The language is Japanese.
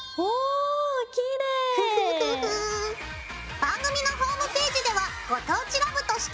番組のホームページでは「ご当地ＬＯＶＥ」として。